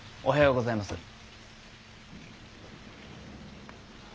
おはようございます。